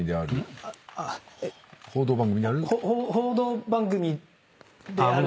「報道番組である」